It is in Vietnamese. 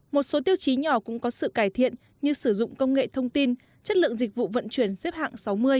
một số tiêu chí nhỏ cũng có sự cải thiện như sử dụng công nghệ thông tin chất lượng dịch vụ vận chuyển xếp hạng sáu mươi